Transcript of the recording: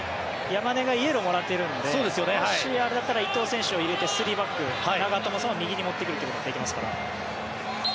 山根がイエローをもらっているのでもしあれだったら伊藤選手を入れて３バック長友さんを右に持ってくることもできますから。